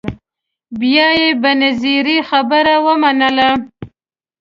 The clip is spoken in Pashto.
بیا یې بنظیري خبره ومنله